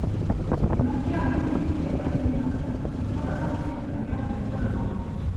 Les matières liquéfiées atteignirent presque aussitôt la partie inférieure de l’épaulement